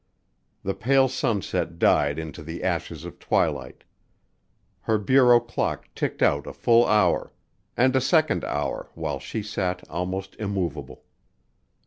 The pale sunset died into the ashes of twilight. Her bureau clock ticked out a full hour and a second hour while she sat almost immovable.